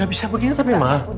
gak bisa begini tapi ma